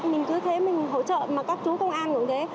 mình cứ thế mình hỗ trợ mà các chú công an cũng thế